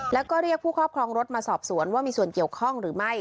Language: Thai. แล้วก็เรียกผู้ครอบครองรถมาสอบสวนว่ามีส่วนเกี่ยวข้องหรือไม่